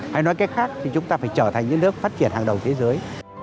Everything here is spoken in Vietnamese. hay nói cách khác thì chúng ta phải trở thành những nước phát triển hàng đầu thế giới